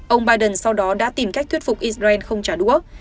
ông biden sau đó đã tìm cách thuyết phục israel không trả đũa